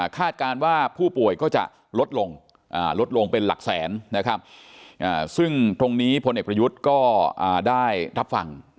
การว่าผู้ป่วยก็จะลดลงลดลงเป็นหลักแสนนะครับซึ่งตรงนี้พลเอกประยุทธ์ก็ได้รับฟัง